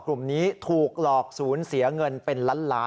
กลุ่มนี้ถูกหลอกศูนย์เสียเงินเป็นล้านล้าน